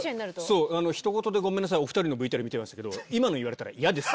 そうひとごとでごめんなさいお２人のＶＴＲ見てましたけど今の言われたら。